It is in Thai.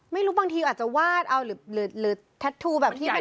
ไม่รู้บางทีอาจจะวาดเอาหรือแท็ตทูแบบที่